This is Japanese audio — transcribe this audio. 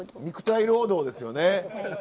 肉体労働ですよね。